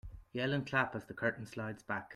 Yell and clap as the curtain slides back.